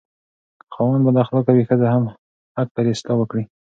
که خاوند بداخلاقه وي، ښځه حق لري اصلاح وکړي.